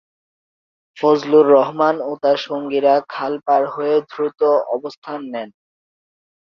ফজলুর রহমান ও তার সঙ্গীরা খাল পার হয়ে দ্রুত অবস্থান নেন।